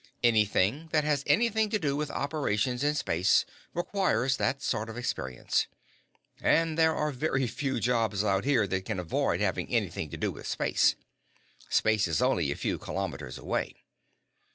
"Anything that has anything to do with operations in space requires that sort of experience and there are very few jobs out here that can avoid having anything to do with space. Space is only a few kilometers away."